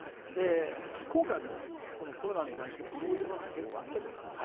今回もコロナに関してもそういう場面が結構あったじゃないですか。